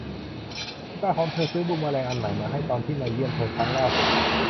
คุณตาของเธอซื้อบูมเมอแรงอันใหม่มาให้ตอนที่มาเยี่ยมเธอครั้งล่าสุด